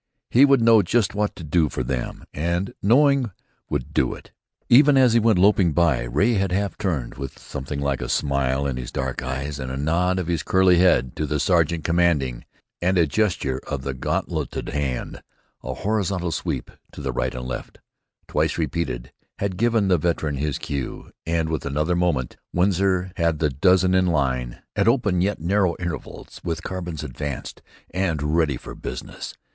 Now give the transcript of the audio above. He would know just what to do for them, and knowing, would do it. Even as he went loping by Ray had half turned, with something like a smile in his dark eyes and a nod of his curly head to the sergeant commanding, and a gesture of the gauntleted hand, a horizontal sweep to right and left, twice repeated, had given the veteran his cue, and with another moment Winsor had the dozen in line at open, yet narrow, intervals, with carbines advanced and ready for business.